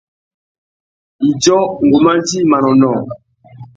Idjô, ngu mà djï manônōh.